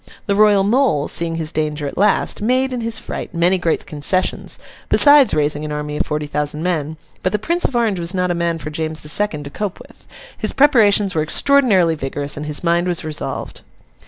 The Royal Mole, seeing his danger at last, made, in his fright, many great concessions, besides raising an army of forty thousand men; but the Prince of Orange was not a man for James the Second to cope with. His preparations were extraordinarily vigorous, and his mind was resolved.